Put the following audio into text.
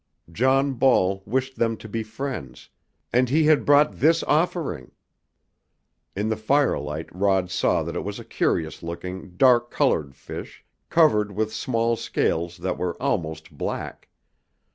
John Ball wished them to be friends, and he had brought this offering! In the firelight Rod saw that it was a curious looking, dark colored fish, covered with small scales that were almost black.